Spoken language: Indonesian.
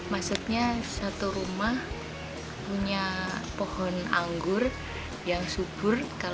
maksudnya satu rumah punya pohon anggur yang subur